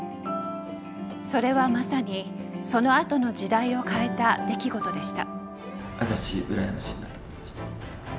それは、まさにそのあとの時代を変えた出来事でした。